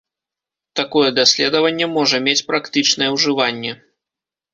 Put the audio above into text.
Такое даследаванне можа мець практычнае ўжыванне.